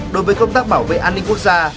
đối với công tác bảo vệ an ninh quốc gia